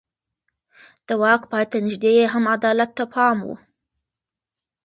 د واک پای ته نږدې يې هم عدالت ته پام و.